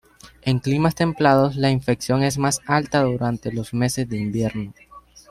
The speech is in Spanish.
En climas templados la infección es más alta durante los meses de invierno.